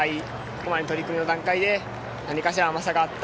ここまでの取り組みの段階で何かしら甘さがあった。